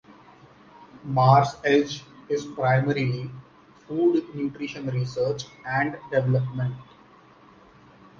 Mars Edge is primarily food nutrition research and development.